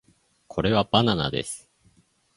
これはバナナです